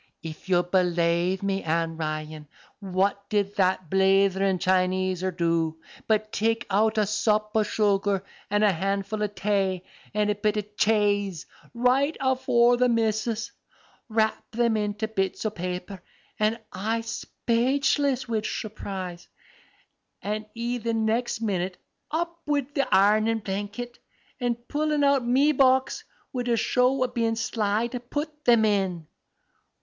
If you'll belave me, Ann Ryan, what did that blatherin' Chineser do but take out a sup o' sugar, an' a handful o' tay, an' a bit o' chaze, right afore the missus, wrap them into bits o' paper, an' I spacheless wid shurprise, an' he the next minute up wid the ironin' blankit and pullin' out me box wid a show o' bein' sly to put them in.